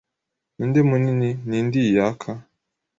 Ninde munini ninde iyi yaka